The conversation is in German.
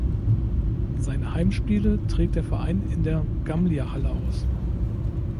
Seine Heimspiele trägt der Verein in der Gammlia-Halle aus.